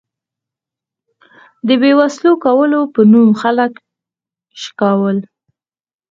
د بې وسلو کولو په نوم خلک شکول.